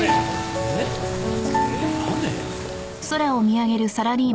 えっ雨？